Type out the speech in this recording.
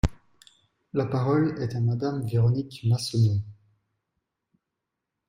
La parole est à Madame Véronique Massonneau.